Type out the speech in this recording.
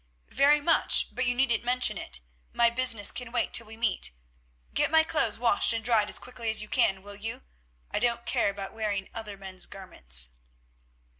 "Very much, but you needn't mention it; my business can wait till we meet. Get my clothes washed and dried as quickly as you can, will you? I don't care about wearing other men's garments."